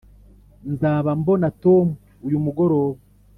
nzaba mbona tom uyu mugoroba.